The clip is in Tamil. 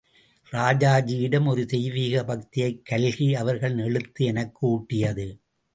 ராஜாஜியிடம் ஒரு தெய்வீகப் பக்தியை கல்கி அவர்களின் எழுத்து எனக்கு ஊட்டியது.